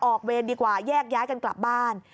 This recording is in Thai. เวรดีกว่าแยกย้ายกันกลับบ้าน